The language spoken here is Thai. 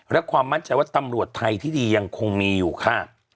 และความมั่นใจว่าตำรวจไทยที่ดียังคงมีอยู่ค่ะ